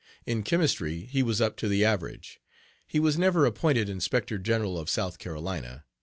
In Chemistry he was up to the average. He was never appointed Inspector General of South Carolina.